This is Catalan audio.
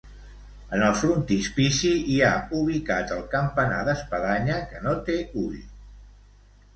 En el frontispici hi ha ubicat el campanar d'espadanya, que no té ull.